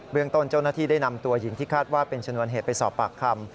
เรื่องต้นเจ้าหน้าที่ได้นำตัวหญิงที่คาดว่าเป็นชนวนเหตุไปสอบปากคำ